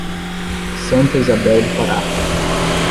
Santa Isabel do Pará